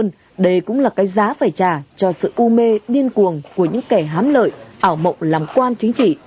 nhưng đây cũng là cái giá phải trả cho sự u mê điên cuồng của những kẻ hám lợi ảo mộng làm quan chính trị